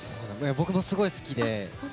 僕もすごい好きで。